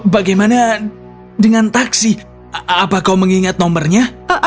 bagaimana dengan taksi apa kau mengingat nomornya